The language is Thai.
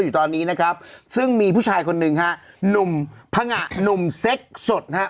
อยู่ตอนนี้นะครับซึ่งมีผู้ชายคนหนึ่งฮะหนุ่มผงะหนุ่มเซ็กสดฮะ